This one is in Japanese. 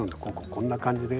こんな感じ。